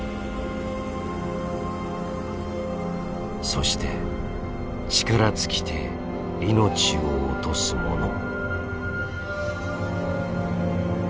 そして力尽きて命を落とすもの。